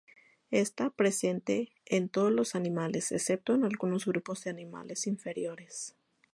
Está presente en todos los animales, excepto en algunos grupos de animales inferiores.